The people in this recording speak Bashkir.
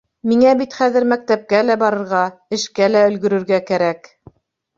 Миңә бит хәҙер мәктәпкә лә барырға, эшкә лә өлгөрөргә кәрәк.